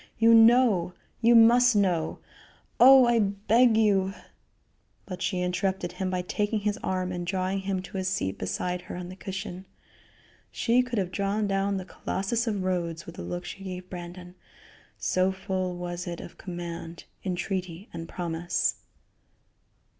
You know you must know oh! I beg you " But she interrupted him by taking his arm and drawing him to a seat beside her on the cushion. She could have drawn down the Colossus of Rhodes with the look she gave Brandon, so full was it of command, entreaty and promise.